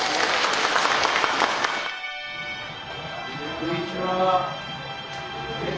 こんにちは。